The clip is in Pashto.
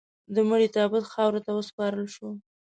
د مړي تابوت خاورو ته وسپارل شو.